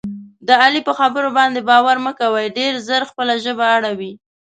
د علي په خبرو باندې باور مه کوئ. ډېر زر خپله ژبه اړوي.